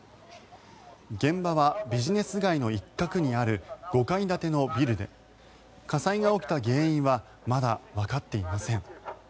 現場はビジネス街の一角にある５階建てのビルで火災が起きた原因はまだわかっていません。